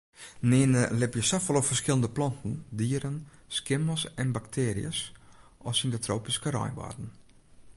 Nearne libje safolle ferskillende planten, dieren, skimmels en baktearjes as yn de tropyske reinwâlden.